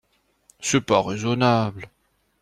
C’est pas raisonnable